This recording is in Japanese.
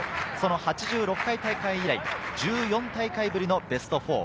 その８６回大会以来１４回大会ぶりのベスト４。